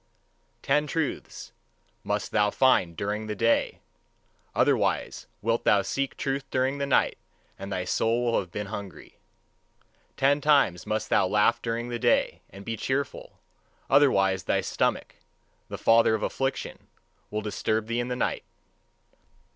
Ten truths must thou find during the day; otherwise wilt thou seek truth during the night, and thy soul will have been hungry. Ten times must thou laugh during the day, and be cheerful; otherwise thy stomach, the father of affliction, will disturb thee in the night.